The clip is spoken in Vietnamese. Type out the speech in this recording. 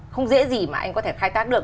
không dễ gì mà anh có thể khai tác được